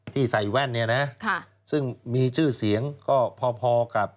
ที่ใส่แว่นเนี่ยนะซึ่งมีชื่อเสียงก็พอกับ